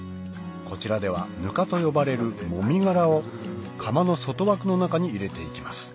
こちらではぬかと呼ばれるもみ殻を釜の外枠の中に入れていきます